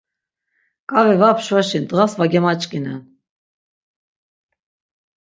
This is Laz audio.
Ǩave va pşvaşi ndğas va gemaç̌ǩinen.